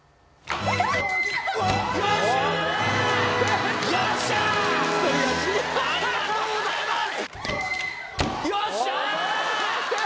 ありがとうございます！